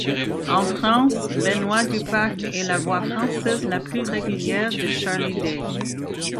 En France, Benoît DuPac est la voix française la plus régulière de Charlie Day.